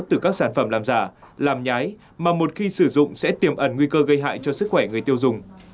từ các sản phẩm làm giả làm nhái mà một khi sử dụng sẽ tiềm ẩn nguy cơ gây hại cho sức khỏe người tiêu dùng